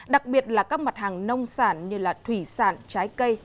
đặc biệt là các mặt hàng nông sản như thủy sản trái cây cà phê và gạo